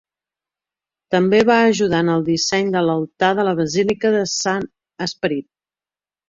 També va ajudar en el disseny de l'altar de la Basílica de Sant Esperit.